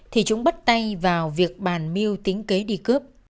thì chúng bắt tay vào việc bàn miêu tính cấy đi cướp